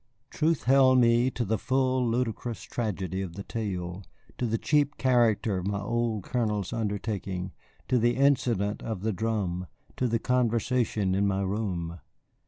Truth held me to the full, ludicrous tragedy of the tale, to the cheap character of my old Colonel's undertaking, to the incident of the drum, to the conversation in my room.